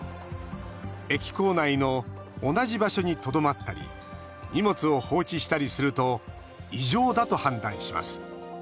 駅構内の同じ場所にとどまったり荷物を放置したりすると異常だと判断します。